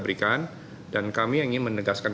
berikan dan kami ingin menegaskan